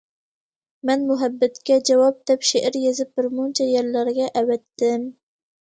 مەن« مۇھەببەتكە جاۋاب» دەپ شېئىر يېزىپ بىرمۇنچە يەرلەرگە ئەۋەتتىم.